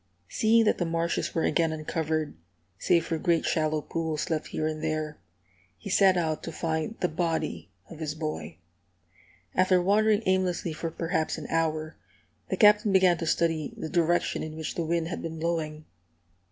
Seeing that the marshes were again uncovered, save for great shallow pools left here and there, he set out to find the body of his boy. After wandering aimlessly for perhaps an hour, the Captain began to study the direction in which the wind had been blowing.